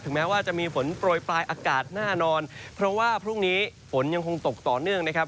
แม้ว่าจะมีฝนโปรยปลายอากาศแน่นอนเพราะว่าพรุ่งนี้ฝนยังคงตกต่อเนื่องนะครับ